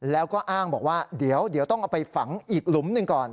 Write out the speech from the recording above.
แล้วก็อ้างบอกว่าเดี๋ยวต้องเอาไปฝังอีกหลุมหนึ่งก่อน